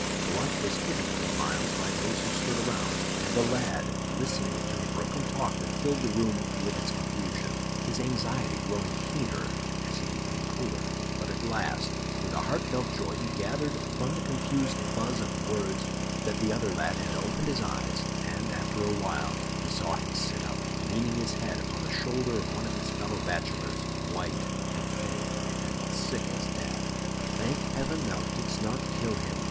Blunt was hidden from Myles by those who stood around, and the lad listened to the broken talk that filled the room with its confusion, his anxiety growing keener as he became cooler. But at last, with a heartfelt joy, he gathered from the confused buzz of words that the other lad had opened his eyes and, after a while, he saw him sit up, leaning his head upon the shoulder of one of his fellow bachelors, white and faint and sick as death. "Thank Heaven that thou didst not kill him!"